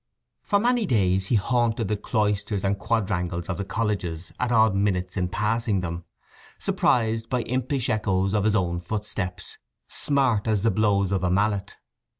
For many days he haunted the cloisters and quadrangles of the colleges at odd minutes in passing them, surprised by impish echoes of his own footsteps, smart as the blows of a mallet.